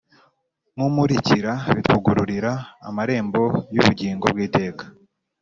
nkumukurikira bitwugururira amarembo y’ubugingo bw’iteka.